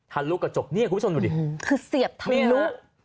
ทะลุกระจกเนี่ยคุณผู้ชมดูดิคือเสียบทะลุ